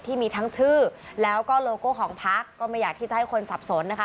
ที่มีทั้งชื่อแล้วก็โลโก้ของพักก็ไม่อยากที่จะให้คนสับสนนะคะ